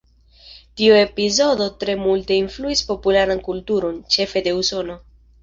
Tio epizodo tre multe influis popularan kulturon, ĉefe de Usono.